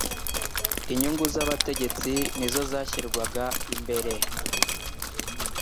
Inyungu z'abategetsi ni zo zashyirwaga imbere